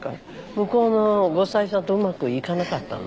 向こうの後妻さんとうまくいかなかったの？